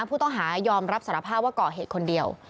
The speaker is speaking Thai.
ผู้ต้องหายอมรับสารภาพว่าก่อเหตุคนเดียว